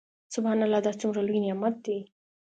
سبحان الله دا څومره لوى نعمت دى.